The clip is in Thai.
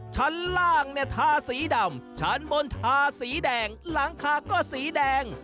ชั้นล่างเนี่ยทาสีดำชั้นบนทาสีแดงหลังคาก็สีแดง